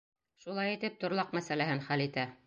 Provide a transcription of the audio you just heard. Шулай итеп, торлаҡ мәсьәләһен хәл итә.